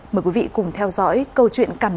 mời quý vị cùng theo dõi câu chuyện cảm ơn